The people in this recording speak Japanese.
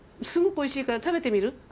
すごくおいしいから食べてみる？